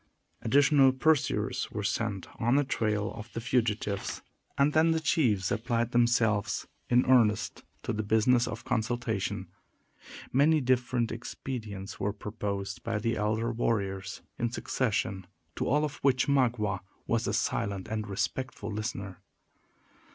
Additional pursuers were sent on the trail of the fugitives; and then the chiefs applied themselves, in earnest, to the business of consultation. Many different expedients were proposed by the elder warriors, in succession, to all of which Magua was a silent and respectful listener.